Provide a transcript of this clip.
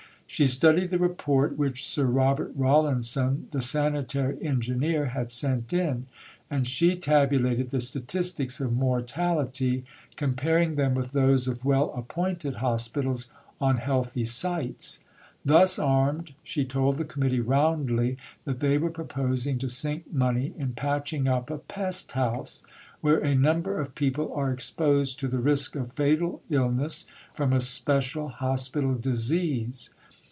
She studied the report which Sir Robert Rawlinson, the sanitary engineer, had sent in; and she tabulated the statistics of mortality, comparing them with those of well appointed hospitals on healthy sites. Thus armed, she told the Committee roundly that they were proposing to sink money in patching up a "pest house, where a number of people are exposed to the risk of fatal illness from a special hospital disease."